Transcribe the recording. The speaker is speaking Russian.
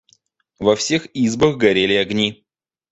Во всех избах горели огни.